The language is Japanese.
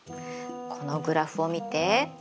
このグラフを見て。